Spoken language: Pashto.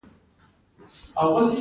ملکه مچۍ یوازې هګۍ اچوي